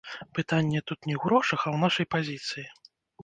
Пытанне тут не ў грошах, а ў нашай пазіцыі.